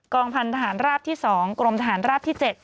พันธหารราบที่๒กรมทหารราบที่๗